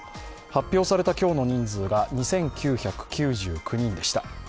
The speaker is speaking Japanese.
発表された今日の人数が２９９９人でした。